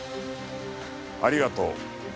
「ありがとう」